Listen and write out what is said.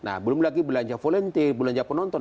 nah belum lagi belanja volunteer belanja penonton dan lain lain